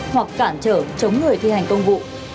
hoặc cản trở chống người thi hành công vụ